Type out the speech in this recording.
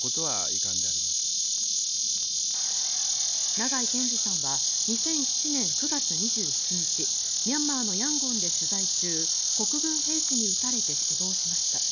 長井健司さんは２００７年９月２７日ミャンマーのヤンゴンで取材中国軍兵士に撃たれて死亡しました。